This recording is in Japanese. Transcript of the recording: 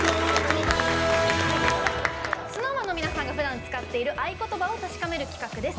ＳｎｏｗＭａｎの皆さんがふだん使っているあいことばを確かめる企画です。